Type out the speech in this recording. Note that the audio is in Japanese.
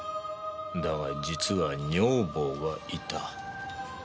だが実は女房がいた。